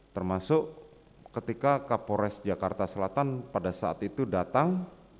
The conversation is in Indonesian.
termasuk ketika kapolres jakarta selatan pada saat itu datang